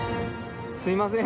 すいません。